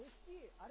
あれ！